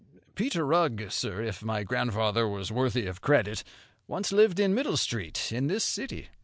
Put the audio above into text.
"Peter Rugg, sir, if my grandfather was worthy of credit, once lived in Middle Street, in this city.